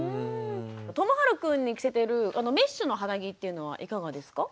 ともはるくんに着せてるメッシュの肌着っていうのはいかがですか？